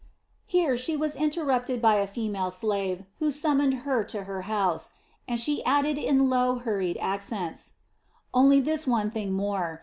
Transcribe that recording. Here she was interrupted by a female slave, who summoned her to her house and she added in low, hurried accents: "Only this one thing more.